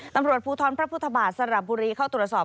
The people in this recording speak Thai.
ตำรวจภูทรพระพุทธบาทสระบุรีเข้าตรวจสอบ